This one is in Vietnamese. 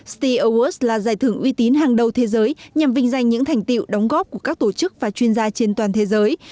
sti awards là giải thưởng uy tín hàng đầu thế giới nhằm vinh danh những thành tiệu đóng góp của các tổ chức và chuyên gia trên toàn thế giới